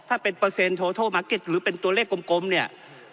ถ้าเป็นเปอร์เซ็นโทมาร์เก็ตหรือเป็นตัวเลขกลมเนี่ย